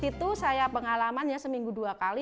di situ saya pengalaman ya seminggu dua kali